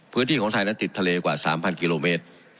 พื้นที่ของไทยนั้นติดทะเลกว่า๓๐๐กิโลเมตร